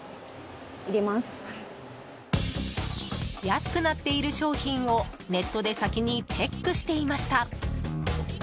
安くなっている商品をネットで先にチェックしていました。